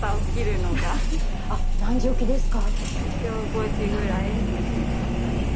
あっ何時起きですか？